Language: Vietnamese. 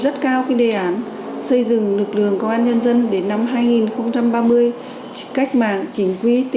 thưa quý vị thưa quý vị